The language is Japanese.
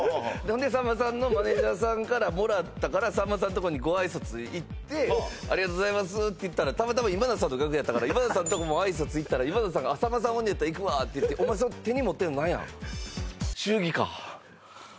さんまさんのマネージャーさんからもらったからさんまさんとこにご挨拶行ってありがとうございますって言ったらたまたま今田さんの楽屋やったから今田さんのとこも挨拶行ったら今田さんがさんまさんおんのやったら行くわって言って「お前その手に持ってんの何や」